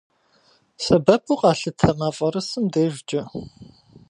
Сэбэпу къалъытэ мафӏэрысым дежкӏэ.